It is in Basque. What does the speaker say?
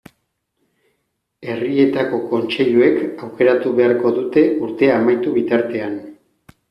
Herrietako kontseiluek aukeratu beharko dute urtea amaitu bitartean.